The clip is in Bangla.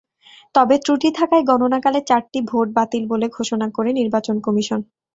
তবে ত্রুটি থাকায় গণনাকালে চারটি ভোট বাতিল বলে ঘোষণা করে নির্বাচন কমিশন।